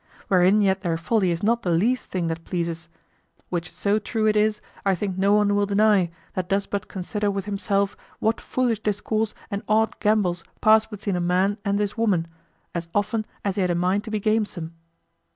Wherein yet their folly is not the least thing that pleases; which so true it is, I think no one will deny, that does but consider with himself, what foolish discourse and odd gambols pass between a man and his woman, as often as he had a mind to be gamesome?